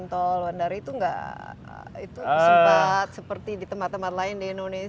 tol wandari itu nggak sempat seperti di tempat tempat lain di indonesia